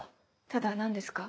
ただ何ですか？